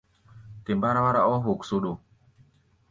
Tɛ mbáráwárá ɔ́ hoksoɗo.